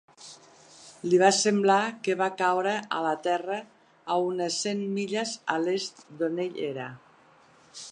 Li va semblar que va caure a la Terra a unes cent milles a l'est d'on ell era.